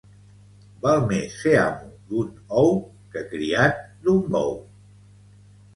Val més ser amo d'un ou que criat d'un bou